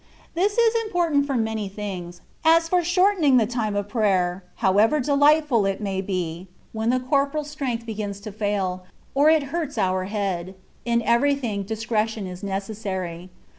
This is important for many things, as for shortening the time of prayer, how ever delightful it may be, when the corporal strength begins to fail, or it hurts our head : in everything discretion is necessary.